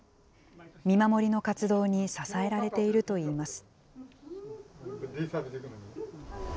見守りの活動に支えられているといいます。